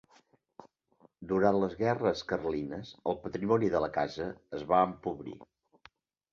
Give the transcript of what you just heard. Durant les guerres carlines el patrimoni de la casa es va empobrir.